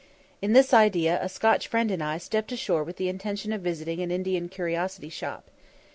In this idea a Scotch friend and I stepped ashore with the intention of visiting an Indian curiosity shop.